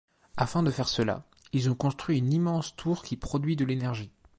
Afin de faire cela, ils ont construit une immense tour qui produit de l'énergie.